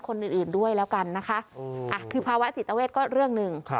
คนอื่นด้วยแล้วกันนะคะคือภาวะจิตเวทก็เรื่องหนึ่ง